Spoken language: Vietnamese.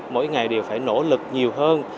mỗi ngày đều phải nỗ lực nhiều hơn